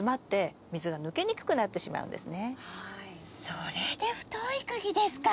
それで太いくぎですか。